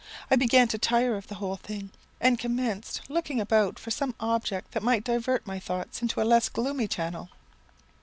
I began to tire of the whole thing, and commenced looking about for some object that might divert my thoughts into a less gloomy channel.